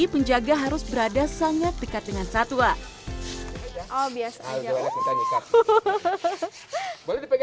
penjaga harus berada sangat dekat dengan satwa oh biasanya